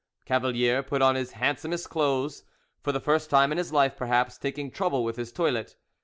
Cavalier put on his handsomest clothes, for the first time in his life perhaps taking trouble with his toilet.